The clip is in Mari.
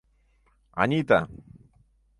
— Анита!